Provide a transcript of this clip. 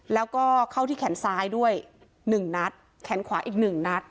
แล้วก็เข้าที่แขนซ้ายด้วยหนึ่งนัดแขนขวาอีกหนึ่งนัด